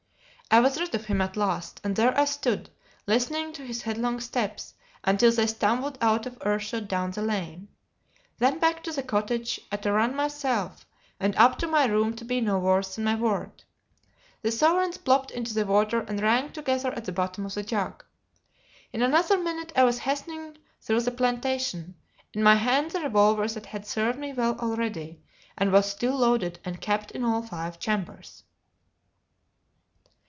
I was rid of him at last; and there I stood, listening to his headlong steps, until they stumbled out of earshot down the lane; then back to the cottage, at a run myself, and up to my room to be no worse than my word. The sovereigns plopped into the water and rang together at the bottom of the jug. In another minute I was hastening through the plantation, in my hand the revolver that had served me well already, and was still loaded and capped in all five chambers.